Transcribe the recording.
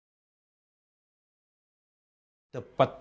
yang mana kita bisa menemukan